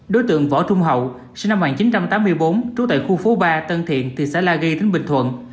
đối tượng võ trung hậu sinh năm một nghìn chín trăm tám mươi bốn trú tại khu phố ba tân thiện thị xã la ghi tỉnh bình thuận